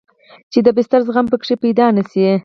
چې د بستر زخم پکښې پيدا نه سي.